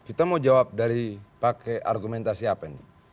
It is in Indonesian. kita mau jawab dari pakai argumentasi apa ini